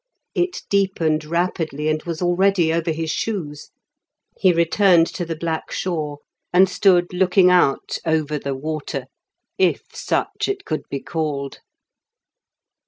It deepened rapidly and was already over his shoes; he returned to the black shore and stood looking out over the water, if such it could be called.